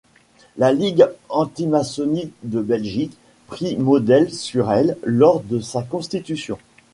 La Ligue antimaçonnique de Belgique prit modèle sur elle lors de sa constitution.